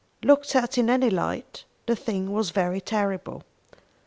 Looked at in any light, the thing was very terrible.